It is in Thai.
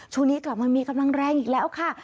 ช่วงนี้กลับมามีกำลังแรงอีกแล้วค่ะ